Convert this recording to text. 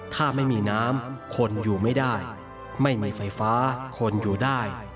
ถ้าไม่มีน้ำคนอยู่ไม่ได้ไม่มีไฟฟ้าคนอยู่ได้